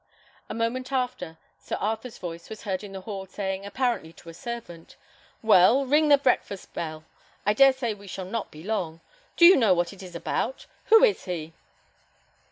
A moment after, Sir Arthur's voice was heard in the hall, saying, apparently to a servant, "Well, ring the breakfast bell; I dare say we shall not be long. Do you know what it is about? Who is he?"